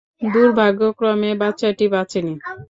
দুর্ভাগ্যক্রমে, বাচ্চাটি বাঁচেনি।